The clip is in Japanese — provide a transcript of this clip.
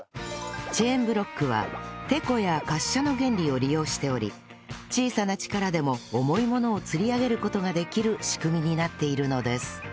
チェーンブロックはテコや滑車の原理を利用しており小さな力でも重いものをつり上げる事ができる仕組みになっているのです